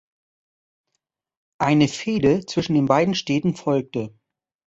Eine Fehde zwischen den beiden Städten folgte.